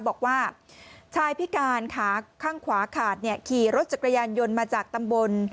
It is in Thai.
บอกว่าชายพิการขาข้างขวาขาดขี่รถจักรยานยนต์มาจากตำบล